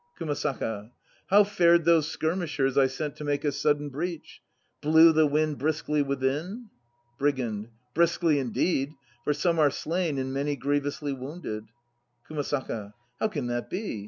KUMASAKA. How fared those skirmishers I sent to make a sudden breach? Blew wind briskly within? UGAND. Briskly indeed; for some are slain and many grievously wounded. [ASAKA. How can that be?